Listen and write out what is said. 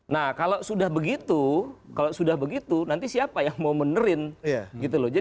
nah kalau sudah begitu kalau sudah begitu nanti siapa yang mau benerin gitu loh